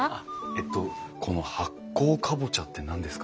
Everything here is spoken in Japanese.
えとこの発酵カボチャって何ですか？